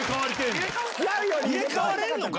入れ替われんのか？